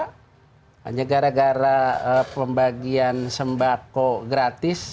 hanya gara gara pembagian sembako gratis